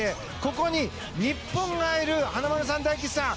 ここに日本がいる華丸さん、大吉さん